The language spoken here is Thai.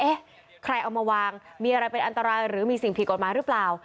เอ๊ะใครเอามาวางมีอะไรเป็นอันตรายหรือมีสิ่งผิดกฎหมายหรือเปล่า